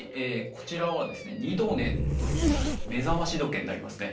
こちらはですねニドネンという目覚まし時計になりますね。